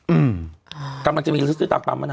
อืออ่าจะมีรสซื้อตามปั่มอะนะ